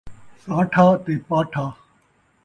ساٹھا تے پاٹھا